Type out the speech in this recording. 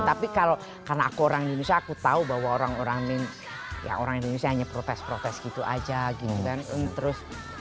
tapi kalau karena aku orang indonesia aku tahu bahwa orang orang indonesia hanya protes protes gitu aja gitu kan terus